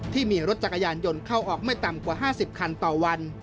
ที่มีรถจักรยานยนต์เข้าออกไม่ต่ำกว่า๕๐คันต่อวัน